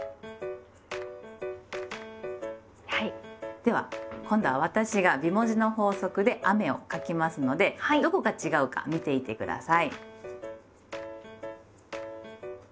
では今度は私が美文字の法則で「雨」を書きますのでどこが違うか見ていて下さい。